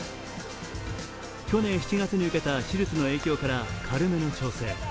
去年７月に受けた手術の影響から軽めの調整。